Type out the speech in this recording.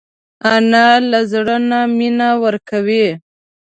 انا له زړه نه مینه ورکوي